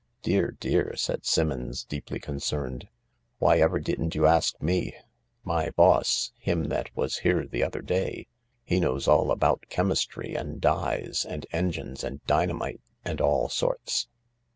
" Dear, dear I " said Simmons, deeply concerned. " Why ever didn't you ask me ? My boss, him that was here the other day, he knows all about chemistry and dyes and engines and dynamite and all sorts.